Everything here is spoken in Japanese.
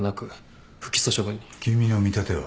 君の見立ては？